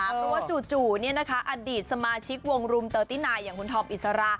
เพราะว่าจู่อดีตสมาชิกวงรุม๓๙อย่างคุณทอมอิสระ